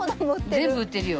全部売ってるよ。